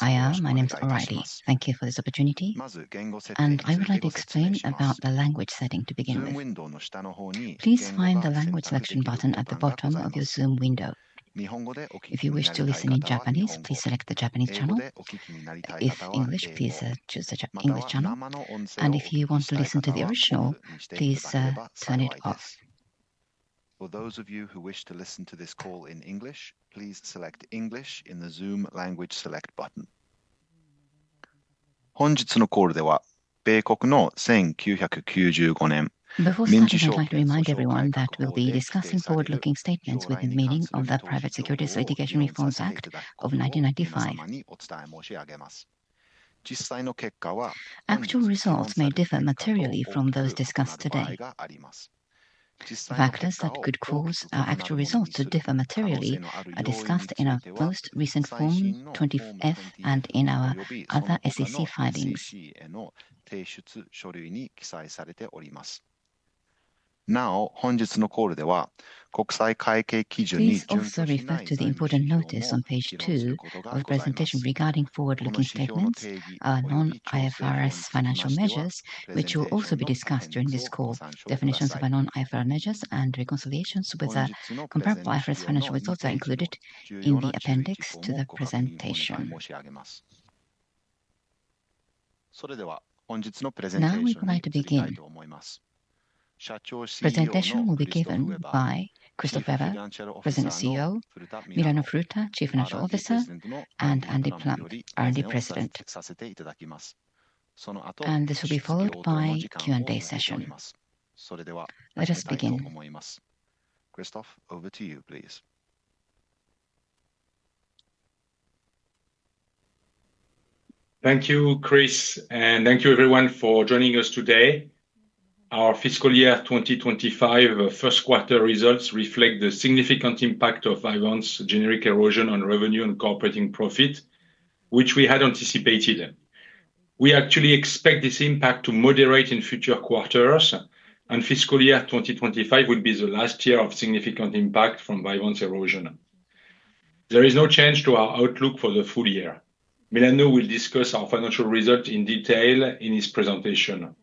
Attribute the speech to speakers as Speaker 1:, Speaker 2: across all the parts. Speaker 1: Hi, my name's O'Reilly. Thank you for this opportunity. I would like to explain about the language setting to begin with. Please find the language selection button at the bottom of your Zoom window. If you wish to listen in Japanese, please select the Japanese channel. If English, please choose the English channel. If you want to listen to the original, please turn it off.
Speaker 2: For those of you who wish to listen to this call in English, please select English in the Zoom language select button.
Speaker 3: 本日のコールでは米国の1995年。
Speaker 1: Before starting, I'd like to remind everyone that we'll be discussing forward-looking statements within the meaning of the Private Securities Litigation Reform Act of 1995. Actual results may differ materially from those discussed today. Factors that could cause our actual results to differ materially are discussed in our most recent Form 20-F and in our other SEC filings.
Speaker 3: Now, 本日のコールでは国際会計基準に準拠。
Speaker 1: Please also refer to the important notice on page 2 of the presentation regarding forward-looking statements, our non-IFRS financial measures, which will also be discussed during this call. Definitions of our non-IFRS measures and reconciliations with our comparable IFRS financial results are included in the appendix to the presentation. Now, we would like to begin. The presentation will be given by Christophe Weber, President and CEO; Milano Furuta, Chief Financial Officer; and Andrew Plump, R&D President. This will be followed by a Q&A session. Let us begin.
Speaker 2: Christophe, over to you, please.
Speaker 4: Thank you, Chris, and thank you, everyone, for joining us today. Our fiscal year 2025 first quarter results reflect the significant impact of Vyvanse's generic erosion on revenue and corporate profit, which we had anticipated. We actually expect this impact to moderate in future quarters, and fiscal year 2025 will be the last year of significant impact from Vyvanse's erosion. There is no change to our outlook for the full year. Milano will discuss our financial results in detail in his presentation.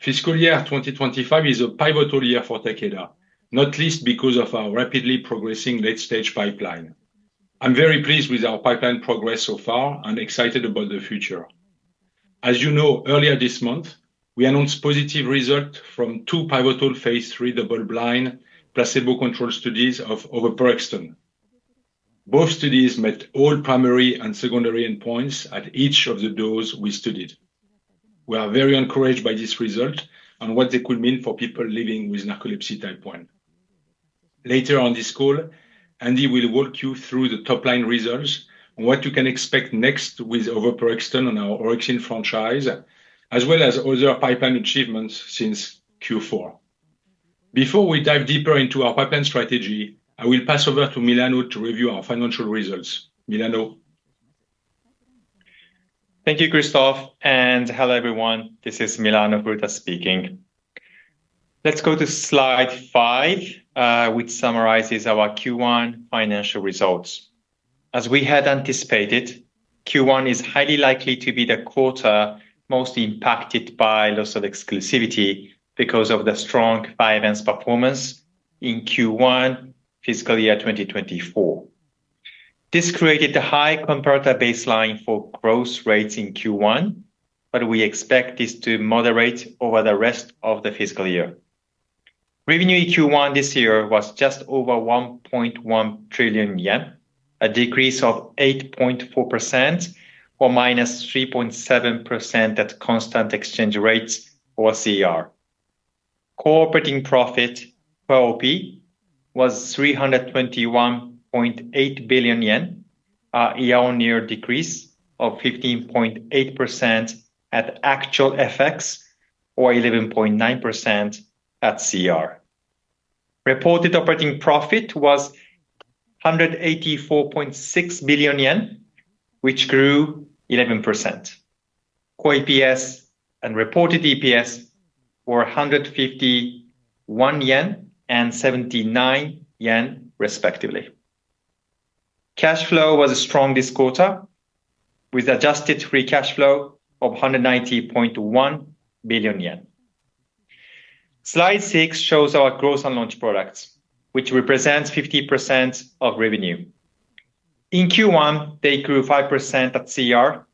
Speaker 4: Fiscal year 2025 is a pivotal year for Takeda, not least because of our rapidly progressing late-stage pipeline. I'm very pleased with our pipeline progress so far and excited about the future. As you know, earlier this month, we announced positive results from two pivotal phase three double-blind placebo-controlled studies of Oveporexant. Both studies met all primary and secondary endpoints at each of the doses we studied. We are very encouraged by these results and what they could mean for people living with narcolepsy type 1. Later on this call, Andy will walk you through the top-line results and what you can expect next with Oveporexant on our Orexin franchise, as well as other pipeline achievements since Q4. Before we dive deeper into our pipeline strategy, I will pass over to Milano to review our financial results. Milano.
Speaker 5: Thank you, Christophe. Hello, everyone. This is Milano Furuta speaking. Let's go to slide 5, which summarizes our Q1 financial results. As we had anticipated, Q1 is highly likely to be the quarter most impacted by loss of exclusivity because of the strong finance performance in Q1 fiscal year 2024. This created a high comparative baseline for growth rates in Q1, but we expect this to moderate over the rest of the fiscal year. Revenue in Q1 this year was just over 1.1 trillion yen, a decrease of 8.4%. Or -3.7% at constant exchange rates or CER. Core operating profit, COP, was 321.8 billion yen, a year-on-year decrease of 15.8% at actual effects or 11.9% at CER. Reported operating profit was 184.6 billion yen, which grew 11%. Core EPS and reported EPS were 151 yen and 79 yen, respectively. Cash flow was strong this quarter, with adjusted free cash flow of 190.1 billion yen. Slide 6 shows our growth and launch products, which represents 50% of revenue. In Q1, they grew 5% at CER.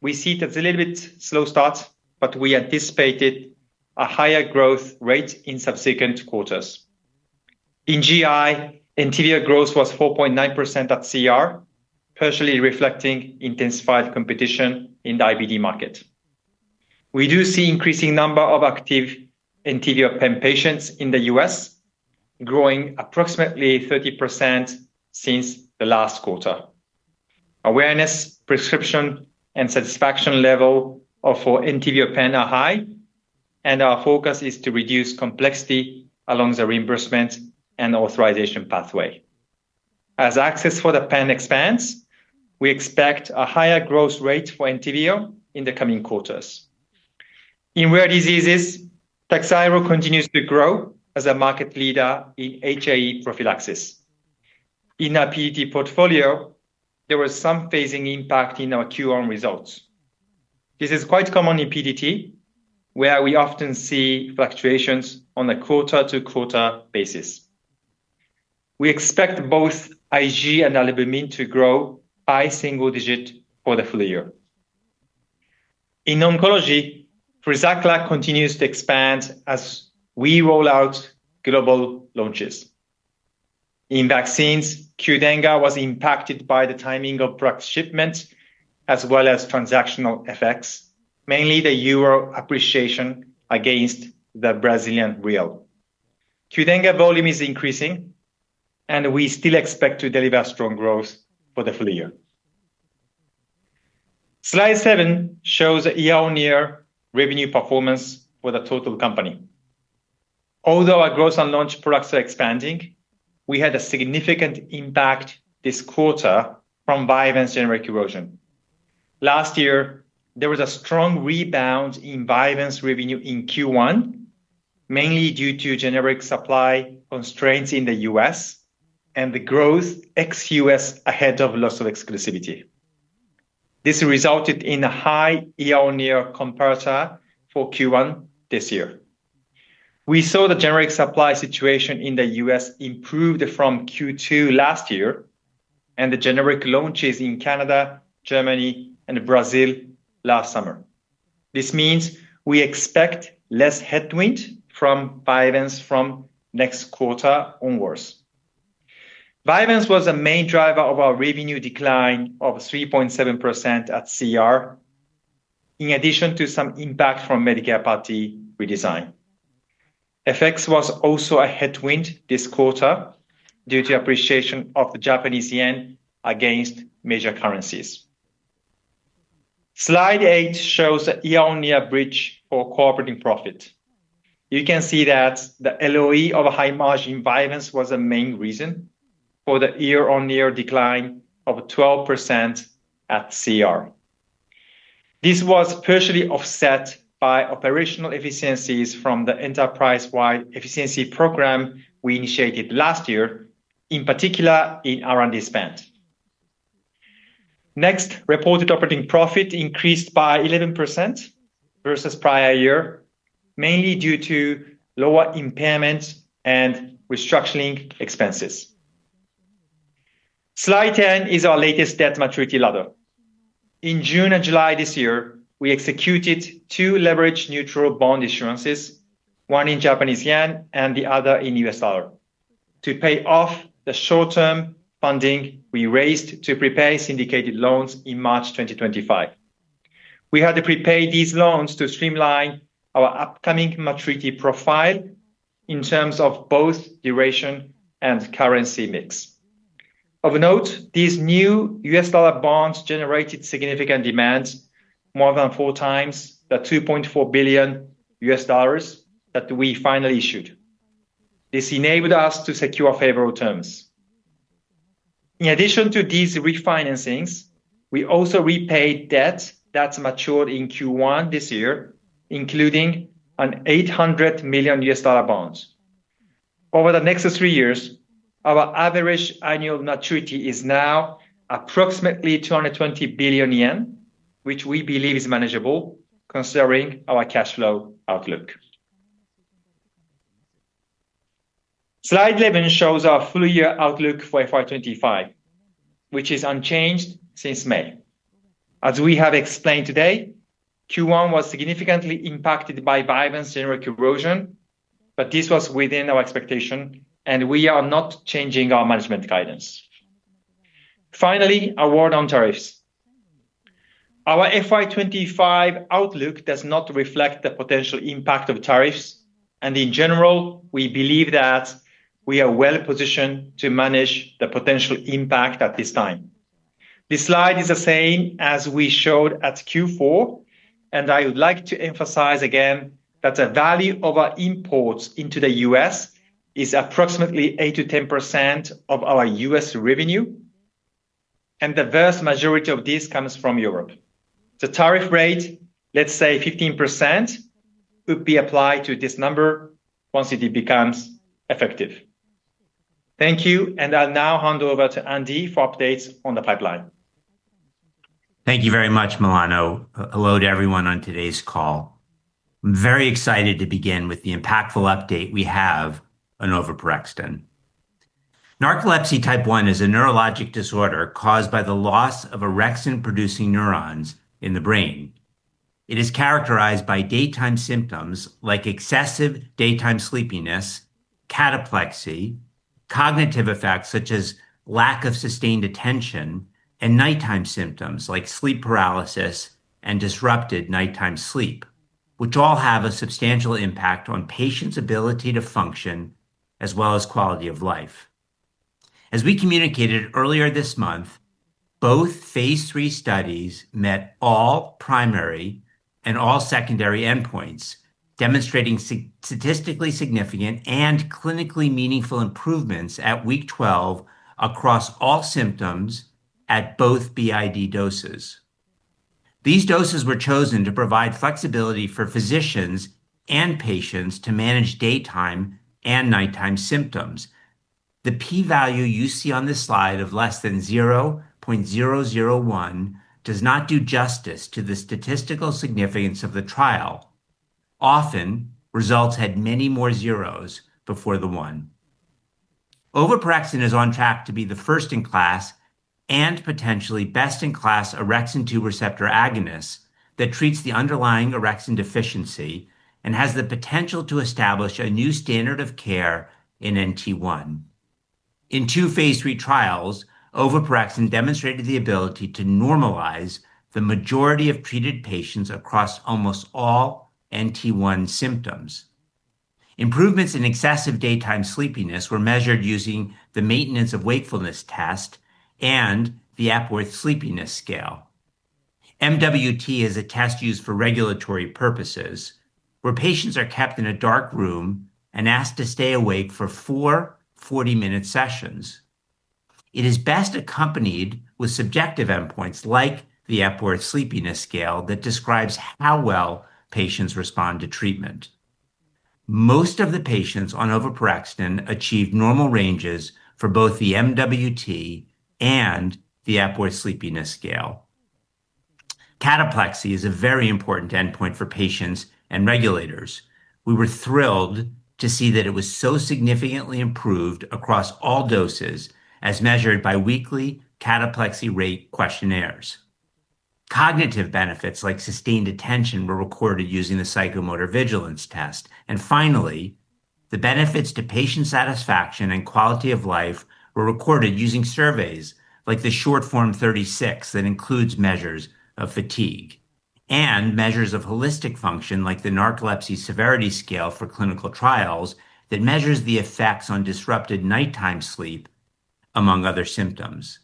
Speaker 5: We see that's a little bit slow start, but we anticipated a higher growth rate in subsequent quarters. In GI, Entyvio growth was 4.9% at CER, partially reflecting intensified competition in the IBD market. We do see an increasing number of active EntyvioPEN patients in the U.S., growing approximately 30% since the last quarter. Awareness, prescription, and satisfaction levels for EntyvioPEN are high, and our focus is to reduce complexity along the reimbursement and authorization pathway. As access for the PEN expands, we expect a higher growth rate for Entyvio in the coming quarters. In rare diseases, Takhzyro continues to grow as a market leader in HAE prophylaxis. In our PDT portfolio, there was some phasing impact in our Q1 results. This is quite common in PDT, where we often see fluctuations on a quarter-to-quarter basis. We expect both Ig and Albumin to grow by single digit for the full year. In oncology, Frizane continues to expand as we roll out global launches. In vaccines, Qdenga was impacted by the timing of drug shipment as well as transactional effects, mainly the euro appreciation against the Brazilian real. Qdenga volume is increasing, and we still expect to deliver strong growth for the full year. Slide 7 shows the year-on-year revenue performance for the total company. Although our growth and launch products are expanding, we had a significant impact this quarter from Vyvanse generic erosion. Last year, there was a strong rebound in Vyvanse revenue in Q1. Mainly due to generic supply constraints in the U.S. and the growth ex U.S. ahead of loss of exclusivity. This resulted in a high year-on-year comparator for Q1 this year. We saw the generic supply situation in the U.S. improved from Q2 last year and the generic launches in Canada, Germany, and Brazil last summer. This means we expect less headwind from Vyvanse from next quarter onwards. Vyvanse was a main driver of our revenue decline of 3.7% at CER, in addition to some impact from Medicare Part D redesign. FX was also a headwind this quarter due to appreciation of the Japanese yen against major currencies. Slide 8 shows the year-on-year bridge for core operating profit. You can see that the LOE of a high margin in Vyvanse was a main reason for the year-on-year decline of 12% at CER. This was partially offset by operational efficiencies from the enterprise-wide efficiency program we initiated last year, in particular in R&D spend. Next, reported operating profit increased by 11% versus prior year, mainly due to lower impairment and restructuring expenses. Slide 10 is our latest debt maturity ladder. In June and July this year, we executed two leverage-neutral bond issuances, one in Japanese yen and the other in US dollars, to pay off the short-term funding we raised to prepare syndicated loans in March 2025. We had to prepare these loans to streamline our upcoming maturity profile in terms of both duration and currency mix. Of note, these new US dollar bonds generated significant demand, more than four times the $2.4 billion that we finally issued. This enabled us to secure favorable terms. In addition to these refinancings, we also repaid debt that matured in Q1 this year, including an $800 million US dollar bond. Over the next three years, our average annual maturity is now approximately 220 billion yen, which we believe is manageable considering our cash flow outlook. Slide 11 shows our full-year outlook for FY2025, which is unchanged since May. As we have explained today, Q1 was significantly impacted by Vyvanse generic erosion, but this was within our expectation, and we are not changing our management guidance. Finally, a word on tariffs. Our FY2025 outlook does not reflect the potential impact of tariffs, and in general, we believe that we are well positioned to manage the potential impact at this time. This slide is the same as we showed at Q4, and I would like to emphasize again that the value of our imports into the U.S. is approximately 8%-10% of our U.S. revenue, and the vast majority of this comes from Europe. The tariff rate, let's say 15%, would be applied to this number once it becomes effective. Thank you, and I'll now hand over to Andy for updates on the pipeline.
Speaker 6: Thank you very much, Milano. Hello to everyone on today's call. I'm very excited to begin with the impactful update we have on Oveporexant. Narcolepsy type 1 is a neurologic disorder caused by the loss of Orexin-producing neurons in the brain. It is characterized by daytime symptoms like excessive daytime sleepiness, cataplexy, cognitive effects such as lack of sustained attention, and nighttime symptoms like sleep paralysis and disrupted nighttime sleep, which all have a substantial impact on patients' ability to function as well as quality of life. As we communicated earlier this month, both phase three studies met all primary and all secondary endpoints, demonstrating statistically significant and clinically meaningful improvements at week 12 across all symptoms at both BID doses. These doses were chosen to provide flexibility for physicians and patients to manage daytime and nighttime symptoms. The p-value you see on this slide of less than 0.001 does not do justice to the statistical significance of the trial. Often, results had many more zeros before the one. Oveporexant is on track to be the first in class and potentially best in class Orexin-2 receptor agonist that treats the underlying Orexin deficiency and has the potential to establish a new standard of care in NT1. In two phase three trials, Oveporexant demonstrated the ability to normalize the majority of treated patients across almost all NT1 symptoms. Improvements in excessive daytime sleepiness were measured using the Maintenance of Wakefulness Test and the Epworth Sleepiness Scale. MWT is a test used for regulatory purposes where patients are kept in a dark room and asked to stay awake for four 40-minute sessions. It is best accompanied with subjective endpoints like the Epworth Sleepiness Scale that describes how well patients respond to treatment. Most of the patients on Oveporexant achieved normal ranges for both the MWT and the Epworth Sleepiness Scale. Cataplexy is a very important endpoint for patients and regulators. We were thrilled to see that it was so significantly improved across all doses as measured by weekly cataplexy rate questionnaires. Cognitive benefits like sustained attention were recorded using the Psychomotor Vigilance Test. Finally, the benefits to patient satisfaction and quality of life were recorded using surveys like the Short Form 36 that includes measures of fatigue and measures of holistic function like the Narcolepsy Severity Scale for clinical trials that measures the effects on disrupted nighttime sleep, among other symptoms.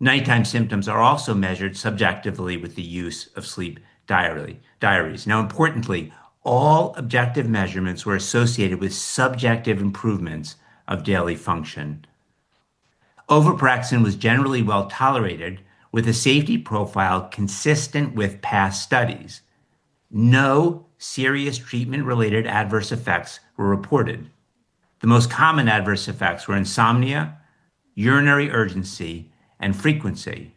Speaker 6: Nighttime symptoms are also measured subjectively with the use of sleep diaries. Importantly, all objective measurements were associated with subjective improvements of daily function. Oveporexant was generally well tolerated with a safety profile consistent with past studies. No serious treatment-related adverse effects were reported. The most common adverse effects were insomnia, urinary urgency, and frequency.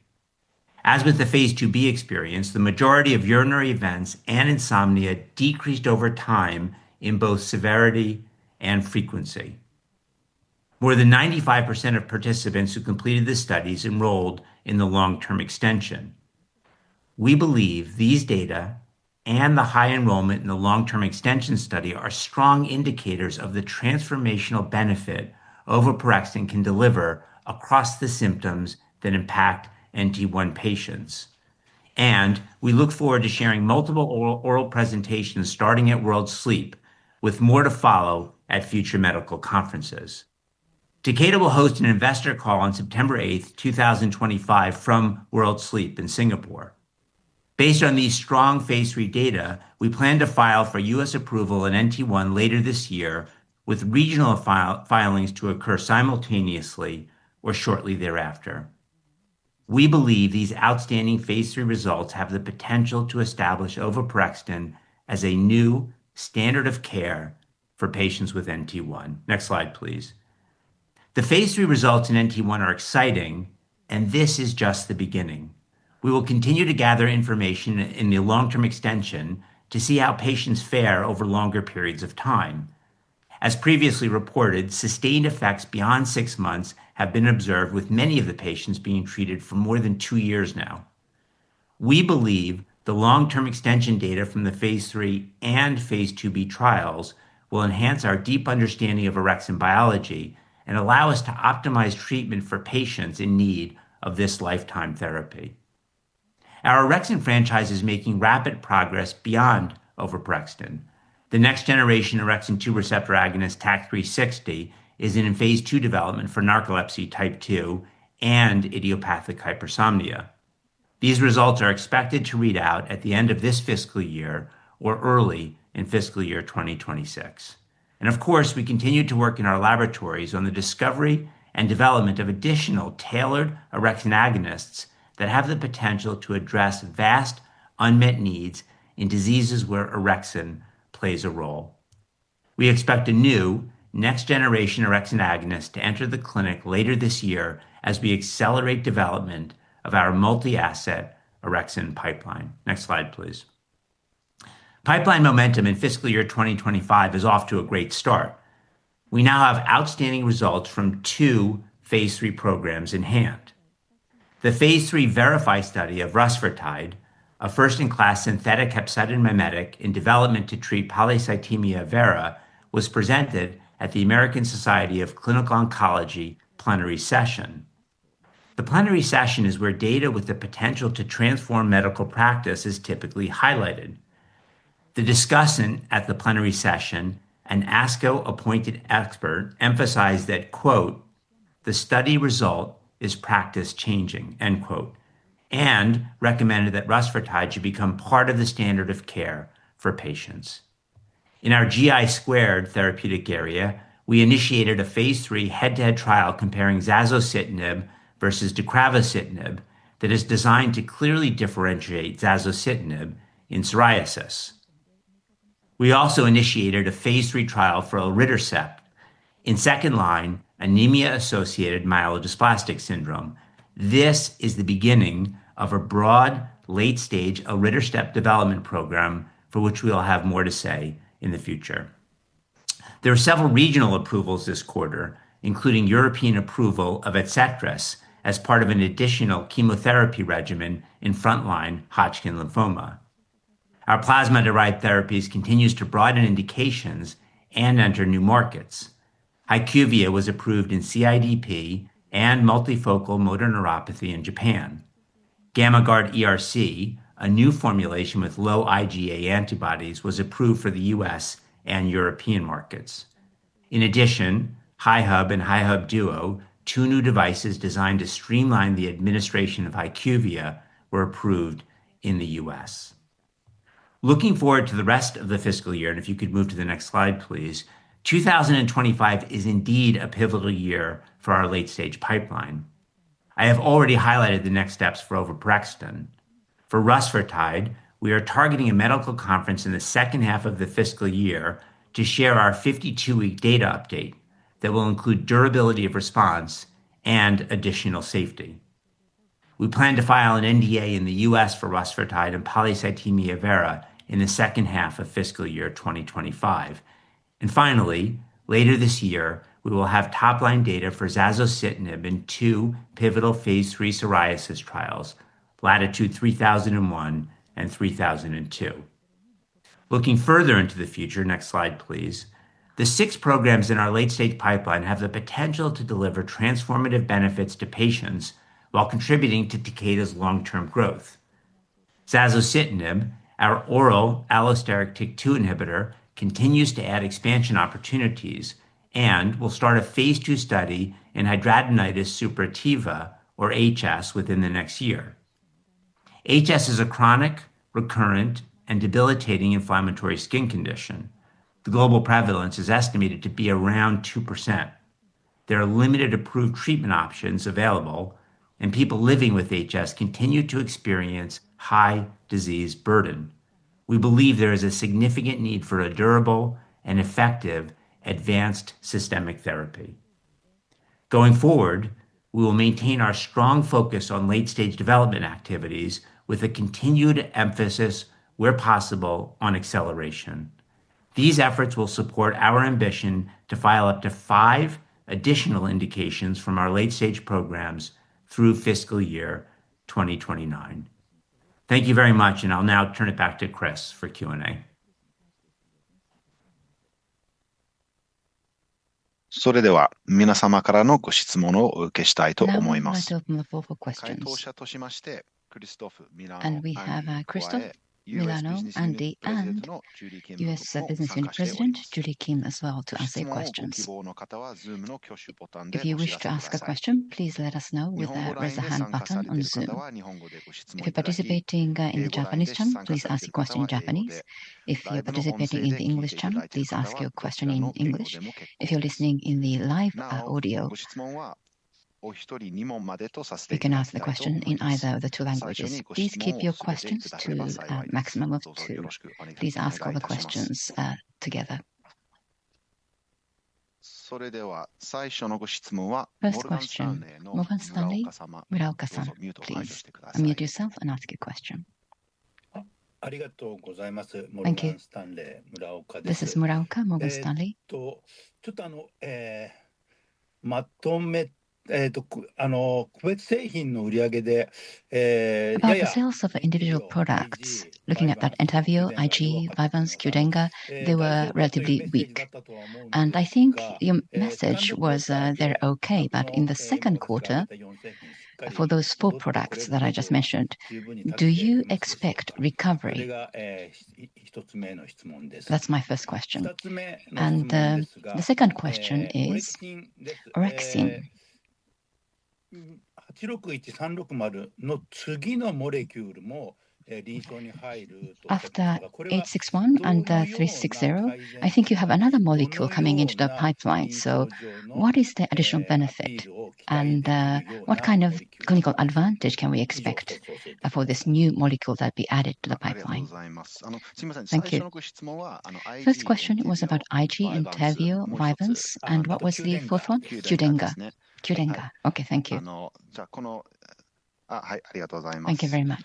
Speaker 6: As with the phase 2B experience, the majority of urinary events and insomnia decreased over time in both severity and frequency. More than 95% of participants who completed the studies enrolled in the long-term extension. We believe these data and the high enrollment in the long-term extension study are strong indicators of the transformational benefit Oveporexant can deliver across the symptoms that impact NT1 patients. We look forward to sharing multiple oral presentations starting at World Sleep, with more to follow at future medical conferences. Takeda will host an investor call on September 8, 2025, from World Sleep in Singapore. Based on these strong phase three data, we plan to file for US approval in NT1 later this year, with regional filings to occur simultaneously or shortly thereafter. We believe these outstanding phase three results have the potential to establish Oveporexant as a new standard of care for patients with NT1. Next slide, please. The phase three results in NT1 are exciting, and this is just the beginning. We will continue to gather information in the long-term extension to see how patients fare over longer periods of time. As previously reported, sustained effects beyond six months have been observed, with many of the patients being treated for more than two years now. We believe the long-term extension data from the phase three and phase 2B trials will enhance our deep understanding of Orexin biology and allow us to optimize treatment for patients in need of this lifetime therapy. Our Orexin franchise is making rapid progress beyond Oveporexant. The next generation Orexin-2 receptor agonist, TAC360, is in phase 2 development for narcolepsy type two and Idiopathic Hypersomnia. These results are expected to read out at the end of this fiscal year or early in fiscal year 2026. Of course, we continue to work in our laboratories on the discovery and development of additional tailored Orexin agonists that have the potential to address vast unmet needs in diseases where Orexin plays a role. We expect a new next-generation Orexin agonist to enter the clinic later this year as we accelerate development of our multi-asset Orexin pipeline. Next slide, please. Pipeline momentum in fiscal year 2025 is off to a great start. We now have outstanding results from two phase three programs in hand. The phase three VERIFY study of Rusfertide, a first-in-class synthetic hepcidin mimetic in development to treat polycythemia vera, was presented at the American Society of Clinical Oncology plenary session. The plenary session is where data with the potential to transform medical practice is typically highlighted. The discussion at the plenary session, an ASCO-appointed expert emphasized that, "The study result is practice-changing," and recommended that Rusfertide should become part of the standard of care for patients. In our GI squared therapeutic area, we initiated a phase three head-to-head trial comparing Zazositinib versus Deucravacitinib that is designed to clearly differentiate Zazositinib in psoriasis. We also initiated a phase three trial for Eritrosept in second line, anemia-associated myelodysplastic syndrome. This is the beginning of a broad late-stage Eritrosept development program for which we will have more to say in the future. There are several regional approvals this quarter, including European approval of Ezetras as part of an additional chemotherapy regimen in frontline Hodgkin lymphoma. Our plasma-derived therapies continue to broaden indications and enter new markets. HYCUVIA was approved in CIDP and multifocal motor neuropathy in Japan. GammaGuard ERC, a new formulation with low IgA antibodies, was approved for the U.S. and European markets. In addition, HIHUB and HIHUB Duo, two new devices designed to streamline the administration of HYCUVIA, were approved in the U.S. Looking forward to the rest of the fiscal year, and if you could move to the next slide, please, 2025 is indeed a pivotal year for our late-stage pipeline. I have already highlighted the next steps for Oveporexant. For Rusfertide, we are targeting a medical conference in the second half of the fiscal year to share our 52-week data update that will include durability of response and additional safety. We plan to file an NDA in the U.S. for Rusfertide and polycythemia vera in the second half of fiscal year 2025. Later this year, we will have top-line data for Zazositinib in two pivotal phase three psoriasis trials, Latitude 3001 and 3002. Looking further into the future, next slide, please. The six programs in our late-stage pipeline have the potential to deliver transformative benefits to patients while contributing to Takeda's long-term growth. Zazositinib, our oral allosteric TYK2 inhibitor, continues to add expansion opportunities and will start a phase 2 study in hidradenitis suppurativa, or HS, within the next year. HS is a chronic, recurrent, and debilitating inflammatory skin condition. The global prevalence is estimated to be around 2%. There are limited approved treatment options available, and people living with HS continue to experience high disease burden. We believe there is a significant need for a durable and effective advanced systemic therapy. Going forward, we will maintain our strong focus on late-stage development activities with a continued emphasis, where possible, on acceleration. These efforts will support our ambition to file up to five additional indications from our late-stage programs through fiscal year 2029. Thank you very much, and I'll now turn it back to Chris for Q&A.
Speaker 1: We have Christopher, Milano, Andy, and U.S. Business Unit President, Julie Kim, as well to answer your questions. If you wish to ask a question, please let us know with the raise-a-hand button on Zoom. If you're participating in the Japanese channel, please ask your question in Japanese. If you're participating in the English channel, please ask your question in English. If you're listening in the live audio, you can ask the question in either of the two languages. Please keep your questions to a maximum of two. Please ask all the questions together. First question, Morgan Stanley, Muraoka-san, please. Unmute yourself and ask your question.
Speaker 7: Thank you. This is Muraoka, Morgan Stanley. About the sales of individual products, looking at that interview, IG, Vyvanse, Qdenga, they were relatively weak. I think your message was they're okay, but in the second quarter. For those four products that I just mentioned, do you expect recovery? That's my first question. The second question is. Orexin. After 861360, I think you have another molecule coming into the pipeline. What is the additional benefit? What kind of clinical advantage can we expect for this new molecule that will be added to the pipeline? Thank you.
Speaker 1: First question was about IG, Entyvio, Vyvanse, and what was the fourth one?
Speaker 7: Qdenga. Qdenga.
Speaker 1: Okay, thank you. Thank you very much.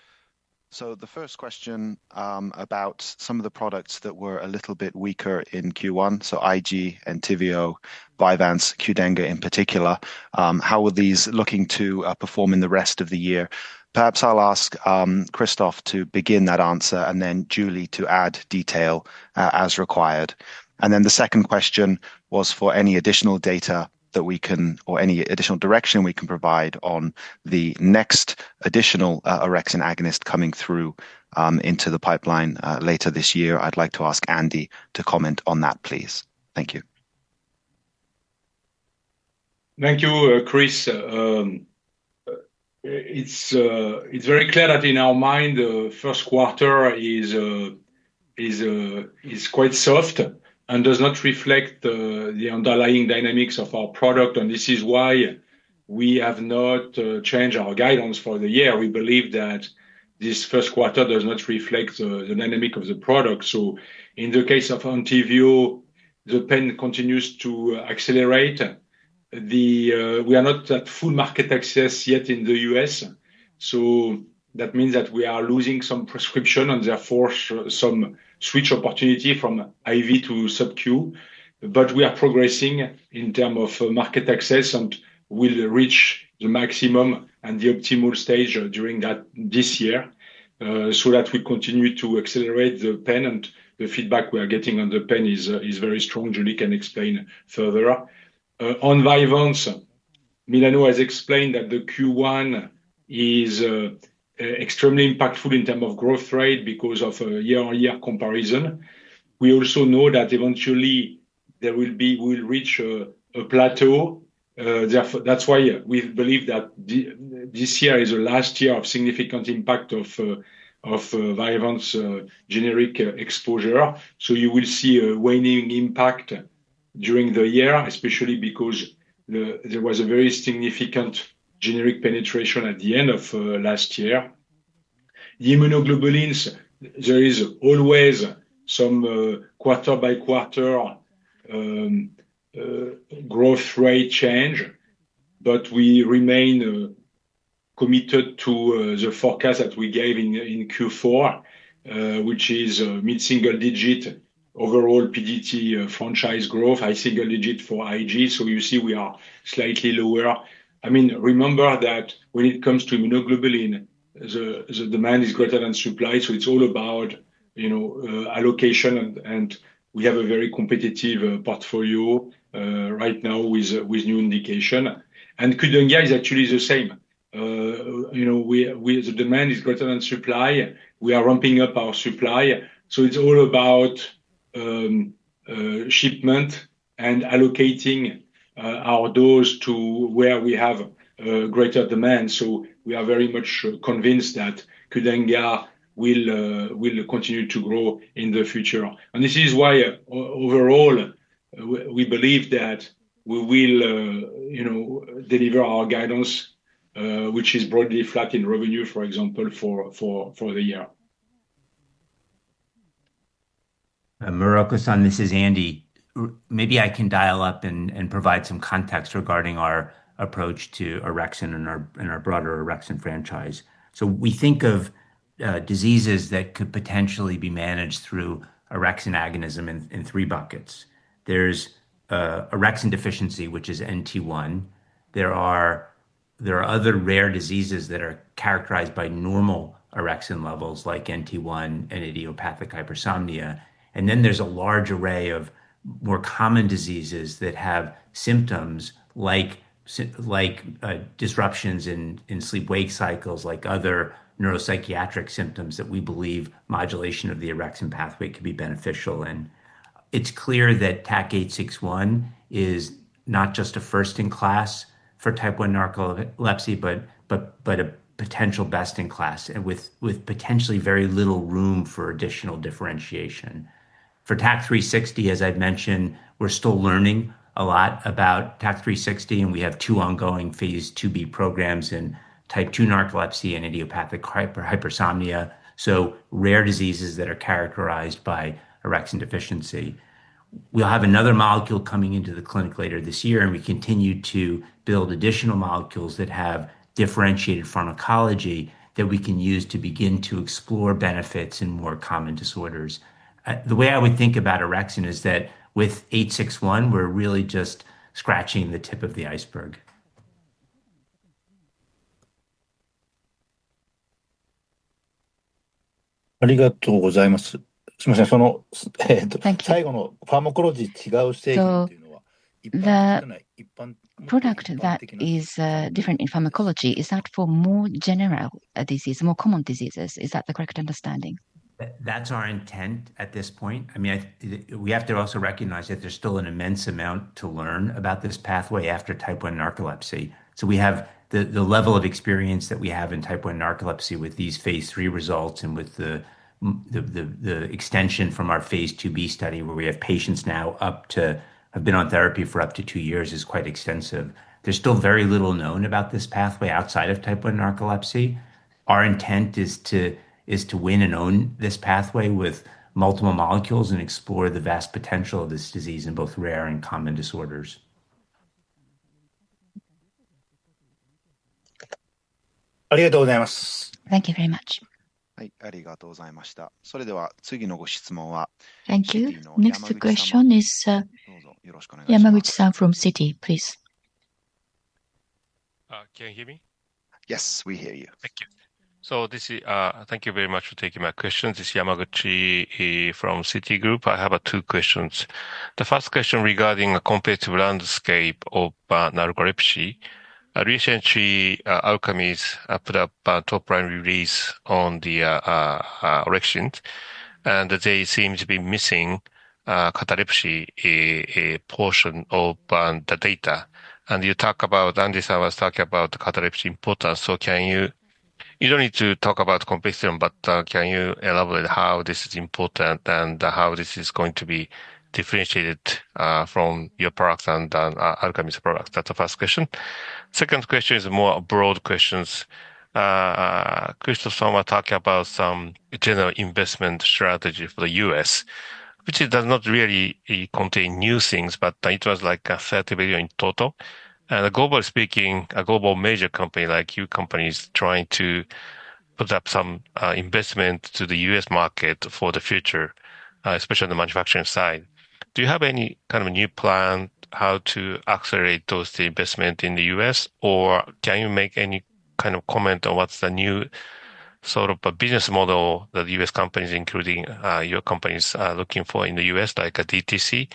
Speaker 1: The first question about some of the products that were a little bit weaker in Q1, so IG, Entyvio, Vyvanse, Qdenga in particular, how are these looking to perform in the rest of the year? Perhaps I'll ask Christophe to begin that answer and then Julie to add detail as required. The second question was for any additional data that we can or any additional direction we can provide on the next additional Orexin agonist coming through into the pipeline later this year. I'd like to ask Andy to comment on that, please. Thank you.
Speaker 6: Thank you, Chris. It's very clear that in our mind, the first quarter is quite soft and does not reflect the underlying dynamics of our product. This is why we have not changed our guidance for the year. We believe that this first quarter does not reflect the dynamic of the product. In the case of Entyvio, the pen continues to accelerate. We are not at full market access yet in the U.S. That means that we are losing some prescription and therefore some switch opportunity from IV to sub-Q. We are progressing in terms of market access and will reach the maximum and the optimal stage during this year. We continue to accelerate the pen and the feedback we are getting on the pen is very strong. Julie can explain further. On Vyvanse, Milano has explained that the Q1 is extremely impactful in terms of growth rate because of a year-on-year comparison. We also know that eventually we will reach a plateau. That's why we believe that this year is the last year of significant impact of Vyvanse generic exposure. You will see a waning impact during the year, especially because there was a very significant generic penetration at the end of last year. The immunoglobulins, there is always some quarter-by-quarter growth rate change, but we remain committed to the forecast that we gave in Q4, which is mid-single digit overall PDT franchise growth, high single digit for IG. You see we are slightly lower. I mean, remember that when it comes to immunoglobulin, the demand is greater than supply. It's all about. Allocation, and we have a very competitive portfolio right now with new indication. Qdenga is actually the same. The demand is greater than supply. We are ramping up our supply. It is all about shipment and allocating our dose to where we have greater demand. We are very much convinced that Qdenga will continue to grow in the future. This is why overall we believe that we will deliver our guidance, which is broadly flat in revenue, for example, for the year. Murakosan, this is Andy. Maybe I can dial up and provide some context regarding our approach to Orexin and our broader Orexin franchise. We think of diseases that could potentially be managed through Orexin agonism in three buckets. There is Orexin deficiency, which is NT1. There are other rare diseases that are characterized by normal Orexin levels like NT1 and idiopathic hypersomnia. Then there is a large array of more common diseases that have symptoms like disruptions in sleep-wake cycles, like other neuropsychiatric symptoms that we believe modulation of the Orexin pathway could be beneficial in. It is clear that TAK-861 is not just a first-in-class for type 1 narcolepsy, but a potential best-in-class with potentially very little room for additional differentiation. For TAK-360, as I have mentioned, we are still learning a lot about TAK-360, and we have two ongoing phase 2B programs in type 2 narcolepsy and idiopathic hypersomnia, so rare diseases that are characterized by Orexin deficiency. We will have another molecule coming into the clinic later this year, and we continue to build additional molecules that have differentiated pharmacology that we can use to begin to explore benefits in more common disorders. The way I would think about Orexin is that with 861, we are really just scratching the tip of the iceberg. ありがとうございます。すいません、その。最後のファーマコロジー、違うステージっていうのは一般的な。
Speaker 7: Product that is different in pharmacology, is that for more general diseases, more common diseases? Is that the correct understanding?
Speaker 6: That is our intent at this point. I mean, we have to also recognize that there is still an immense amount to learn about this pathway after type 1 narcolepsy. We have the level of experience that we have in type 1 narcolepsy with these phase three results and with the extension from our phase 2B study where we have patients now up to have been on therapy for up to two years is quite extensive. There's still very little known about this pathway outside of type 1 narcolepsy. Our intent is to win and own this pathway with multiple molecules and explore the vast potential of this disease in both rare and common disorders.
Speaker 3: ありがとうございます。
Speaker 7: Thank you very much.
Speaker 3: はい、ありがとうございました。それでは次のご質問は。
Speaker 1: Thank you. Next question is Yamaguchi-san from Citi, please.
Speaker 8: Can you hear me?
Speaker 6: Yes, we hear you.
Speaker 8: Thank you. So thank you very much for taking my questions. This is Yamaguchi from Citi Group. I have two questions. The first question regarding a competitive landscape of narcolepsy. Recently, Alkermes put up top-line release on the Orexins, and they seem to be missing cataplexy portion of the data. And you talk about, Andy-san was talking about the cataplexy importance. You don't need to talk about competition, but can you elaborate how this is important and how this is going to be differentiated from your products and Alkermes' products? That's the first question. Second question is more broad questions. Christophe was talking about some general investment strategy for the US, which does not really contain new things, but it was like a $30 billion in total. And globally speaking, a global major company like your company is trying to put up some investment to the US market for the future. Especially on the manufacturing side. Do you have any kind of a new plan how to accelerate those investments in the US, or can you make any kind of comment on what's the new sort of a business model that US companies, including your companies, are looking for in the US, like a DTC,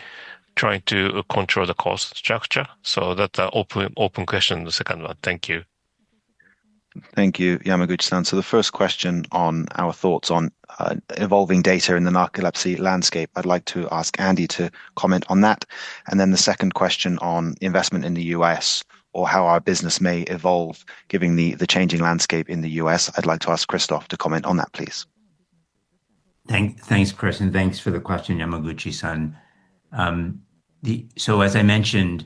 Speaker 8: trying to control the cost structure? That's an open question, the second one. Thank you.
Speaker 5: Thank you, Yamaguchi-san. The first question on our thoughts on evolving data in the narcolepsy landscape, I'd like to ask Andy to comment on that. The second question on investment in the US, or how our business may evolve given the changing landscape in the US, I'd like to ask Christophe to comment on that, please.
Speaker 6: Thanks, Chris, and thanks for the question, Yamaguchi-san. As I mentioned,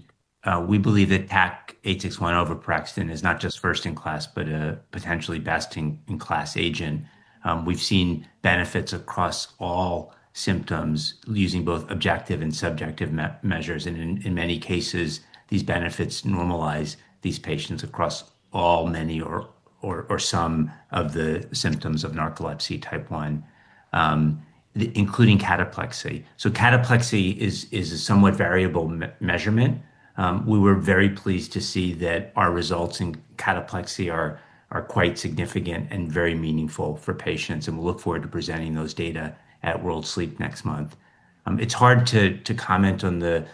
Speaker 6: we believe that TAK-861, Oveporexton, is not just first-in-class, but a potentially best-in-class agent. We've seen benefits across all symptoms using both objective and subjective measures. In many cases, these benefits normalize these patients across all, many, or some of the symptoms of narcolepsy type 1, including cataplexy. Cataplexy is a somewhat variable measurement. We were very pleased to see that our results in cataplexy are quite significant and very meaningful for patients. We look forward to presenting those data at World Sleep next month. It is hard to comment on the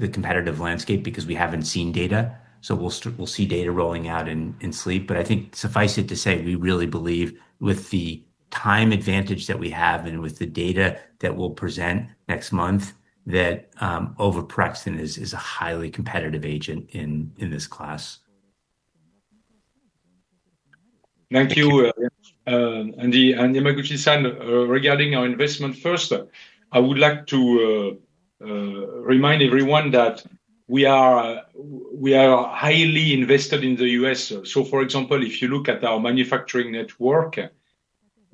Speaker 6: competitive landscape because we have not seen data. We will see data rolling out in sleep. I think suffice it to say, we really believe with the time advantage that we have and with the data that we will present next month, that Oveporexton is a highly competitive agent in this class.
Speaker 4: Thank you. Andy and Yamaguchi-san, regarding our investment, first, I would like to remind everyone that we are highly invested in the U.S. For example, if you look at our manufacturing network,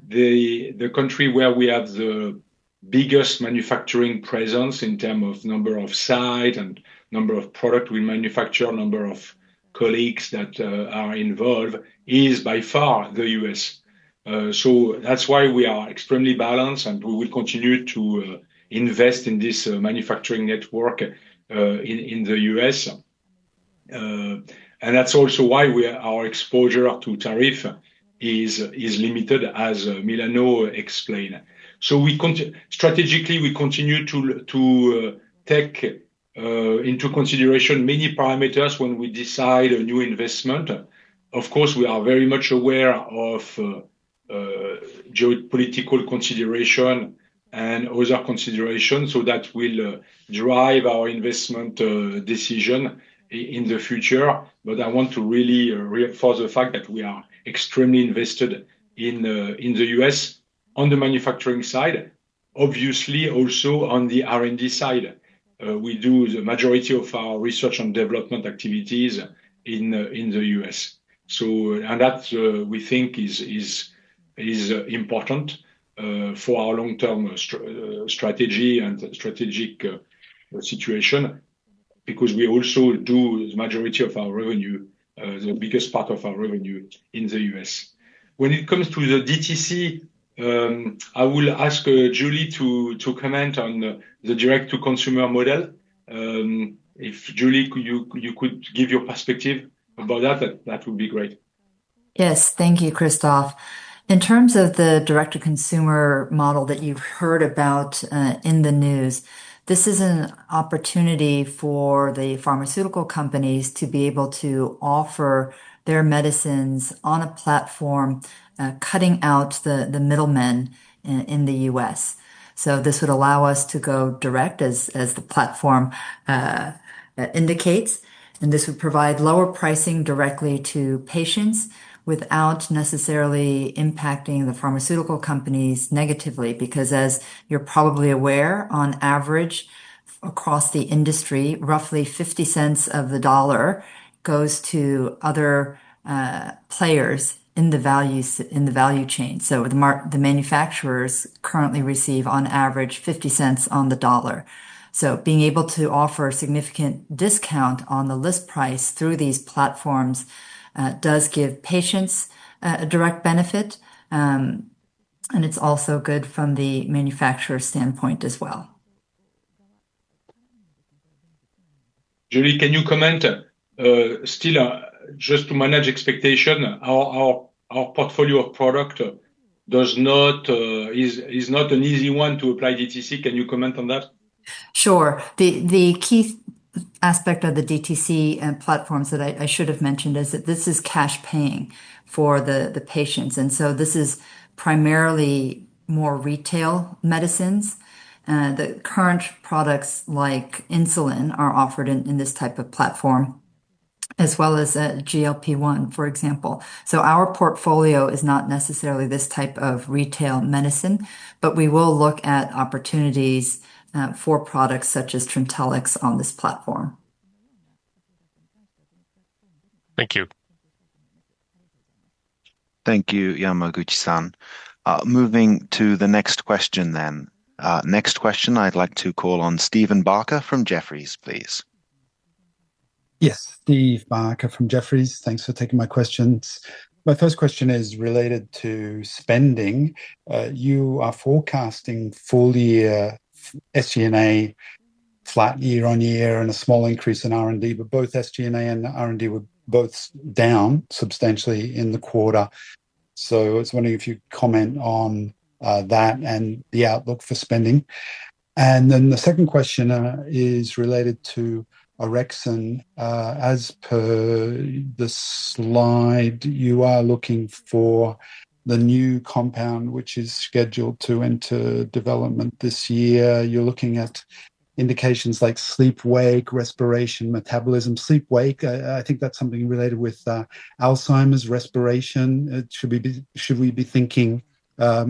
Speaker 4: the country where we have the biggest manufacturing presence in terms of number of sites and number of products we manufacture, number of colleagues that are involved, is by far the U.S. That is why we are extremely balanced, and we will continue to invest in this manufacturing network in the U.S. That is also why our exposure to tariff is limited, as Milano explained. Strategically, we continue to take into consideration many parameters when we decide a new investment. Of course, we are very much aware of geopolitical considerations and other considerations so that will drive our investment decision in the future. I want to really reinforce the fact that we are extremely invested in the U.S. on the manufacturing side. Obviously, also on the R&D side, we do the majority of our research and development activities in the U.S. That, we think, is important for our long-term strategy and strategic situation because we also do the majority of our revenue, the biggest part of our revenue in the U.S. When it comes to the DTC, I will ask Julie to comment on the direct-to-consumer model. If Julie, you could give your perspective about that, that would be great.
Speaker 9: Yes, thank you, Christophe. In terms of the direct-to-consumer model that you have heard about in the news, this is an opportunity for the pharmaceutical companies to be able to offer their medicines on a platform, cutting out the middlemen in the U.S. This would allow us to go direct as the platform indicates. This would provide lower pricing directly to patients without necessarily impacting the pharmaceutical companies negatively. Because, as you are probably aware, on average, across the industry, roughly 50 cents of the dollar goes to other players in the value chain. The manufacturers currently receive on average $0.50 on the dollar. Being able to offer a significant discount on the list price through these platforms does give patients a direct benefit. It is also good from the manufacturer's standpoint as well.
Speaker 8: Julie, can you comment? Still, just to manage expectation, our portfolio of product is not an easy one to apply DTC. Can you comment on that? Sure. The key aspect of the DTC platforms that I should have mentioned is that this is cash paying for the patients. This is primarily more retail medicines. The current products like insulin are offered in this type of platform, as well as GLP-1, for example. Our portfolio is not necessarily this type of retail medicine, but we will look at opportunities for products such as Trintellix on this platform.
Speaker 9: Thank you.
Speaker 2: Thank you, Yamaguchi-san. Moving to the next question then. Next question, I'd like to call on Stephen Barker from Jefferies, please.
Speaker 10: Yes, Steve Barker from Jefferies. Thanks for taking my questions. My first question is related to spending. You are forecasting full-year SG&A flat year-on-year and a small increase in R&D, but both SG&A and R&D were both down substantially in the quarter. I was wondering if you'd comment on that and the outlook for spending. The second question is related to Erexin. As per the slide, you are looking for the new compound, which is scheduled to enter development this year. You're looking at indications like sleep-wake, respiration, metabolism. Sleep-wake, I think that's something related with Alzheimer's, respiration. Should we be thinking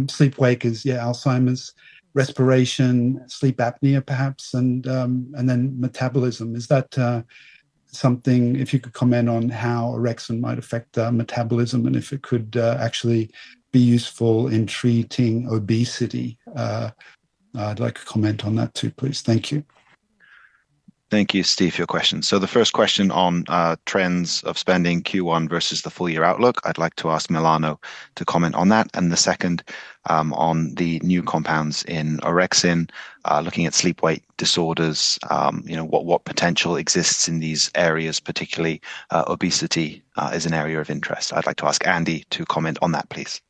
Speaker 10: sleep-wake is, yeah, Alzheimer's, respiration, sleep apnea, perhaps, and then metabolism. Is that something? If you could comment on how Erexin might affect metabolism and if it could actually be useful in treating obesity. I'd like to comment on that too, please. Thank you.
Speaker 2: Thank you, Steve, for your question. The first question on trends of spending Q1 versus the full-year outlook, I'd like to ask Milano to comment on that. The second, on the new compounds in Orexin, looking at sleep-wake disorders. What potential exists in these areas, particularly obesity is an area of interest. I'd like to ask Andy to comment on that, please.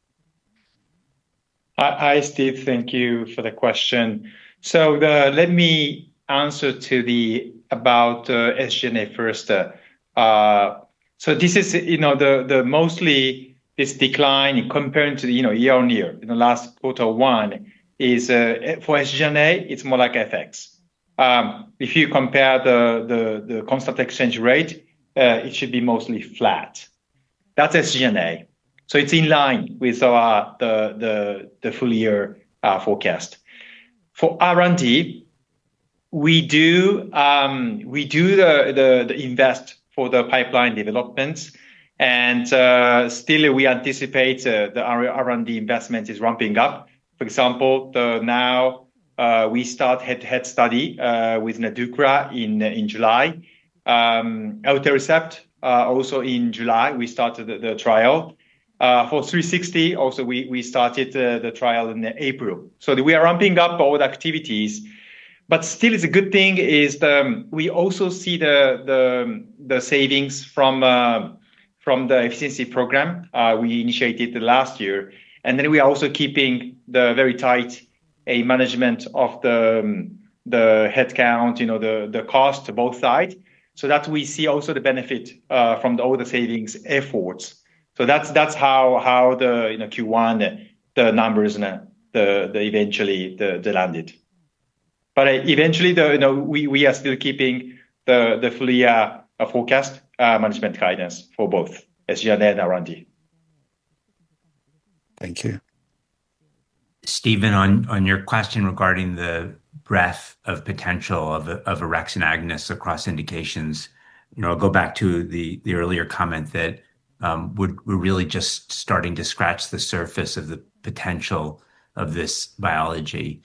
Speaker 5: Hi, Steve. Thank you for the question. Let me answer to the about SG&A first. This is mostly this decline compared to year-on-year in the last quarter one is for SG&A, it's more like FX. If you compare the constant exchange rate, it should be mostly flat. That's SG&A. So it's in line with the full-year forecast. For R&D, we do the invest for the pipeline developments. And still, we anticipate the R&D investment is ramping up. For example, now we start head study with Nadukra in July. Alterrecept, also in July, we started the trial. For 360, also we started the trial in April. So we are ramping up all the activities. But still, it's a good thing is we also see the savings from the efficiency program we initiated last year. And then we are also keeping the very tight management of the head count, the cost, both sides. So that we see also the benefit from the older savings efforts. So that's how the Q1, the numbers, eventually landed. But eventually, we are still keeping the full-year forecast management guidance for both SG&A and R&D.
Speaker 10: Thank you.
Speaker 6: Stephen, on your question regarding the breadth of potential of Orexin agonists across indications, I'll go back to the earlier comment that we're really just starting to scratch the surface of the potential of this biology.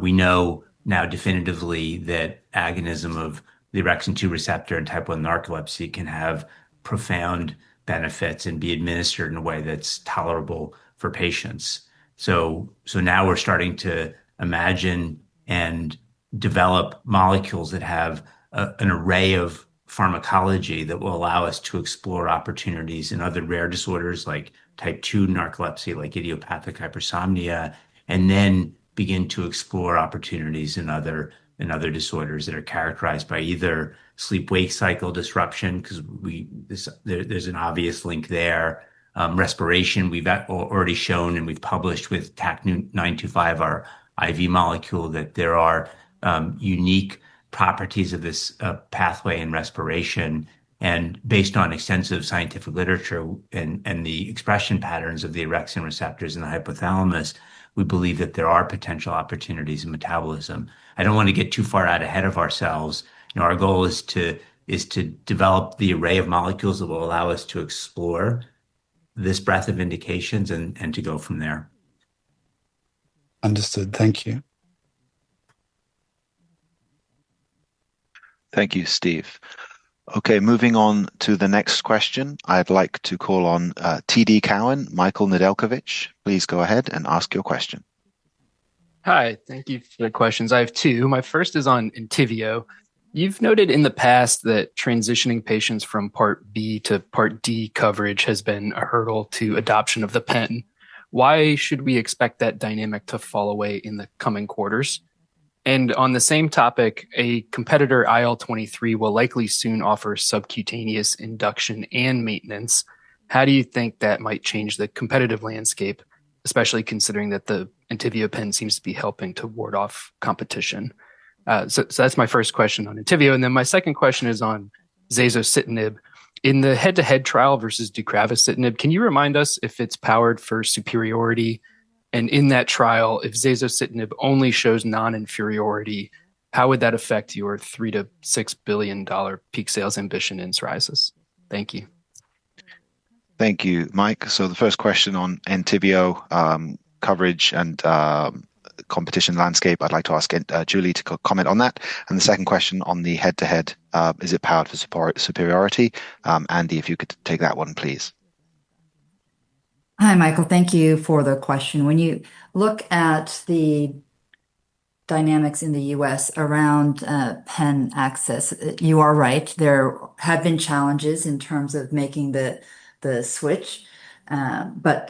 Speaker 6: We know now definitively that agonism of the Orexin 2 receptor and type 1 narcolepsy can have profound benefits and be administered in a way that's tolerable for patients. So now we're starting to imagine and develop molecules that have an array of pharmacology that will allow us to explore opportunities in other rare disorders like type 2 narcolepsy, like idiopathic hypersomnia, and then begin to explore opportunities in other disorders that are characterized by either sleep-wake cycle disruption because there's an obvious link there. Respiration, we've already shown and we've published with TAC-925, our IV molecule, that there are unique properties of this pathway in respiration. And based on extensive scientific literature and the expression patterns of the Orexin receptors and the hypothalamus, we believe that there are potential opportunities in metabolism. I don't want to get too far out ahead of ourselves. Our goal is to develop the array of molecules that will allow us to explore this breadth of indications and to go from there. Understood. Thank you. Thank you, Steve.
Speaker 2: Okay, moving on to the next question, I'd like to call on TD Cowen, Michael Nedelcovych. Please go ahead and ask your question.
Speaker 11: Hi, thank you for the questions. I have two. My first is on Entyvio. You've noted in the past that transitioning patients from Part B to Part D coverage has been a hurdle to adoption of the pen. Why should we expect that dynamic to fall away in the coming quarters? On the same topic, a competitor, IL-23, will likely soon offer subcutaneous induction and maintenance. How do you think that might change the competitive landscape, especially considering that the Entyvio pen seems to be helping to ward off competition? That's my first question on Entyvio. My second question is on Zazositinib. In the head-to-head trial versus Ducravacitinib, can you remind us if it's powered for superiority? In that trial, if Zazositinib only shows non-inferiority, how would that affect your $3 billion-$6 billion peak sales ambition in psoriasis? Thank you.
Speaker 2: Thank you, Mike. The first question on Entyvio, coverage and competition landscape, I'd like to ask Julie to comment on that. The second question on the head-to-head, is it powered for superiority? Andy, if you could take that one, please.
Speaker 9: Hi, Michael. Thank you for the question. When you look at the dynamics in the U.S. around pen access, you are right. There have been challenges in terms of making the switch. We're